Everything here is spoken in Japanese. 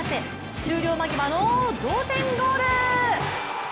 終了間際の同点ゴール。